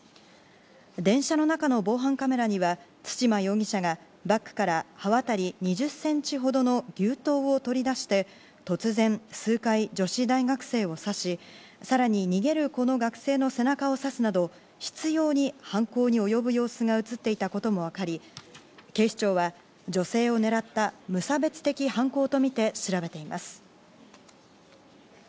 電車の中の防犯カメラには對馬容疑者がバッグから刃渡り２０ｃｍほどの牛刀を取り出して、突然数回女子大学生を刺し、さらに逃げるこの学生の背中を刺すなど執拗に犯行に及ぶ様子が映っていたことも分かり、警視庁は女性を狙った無差別的犯行とみて調べています。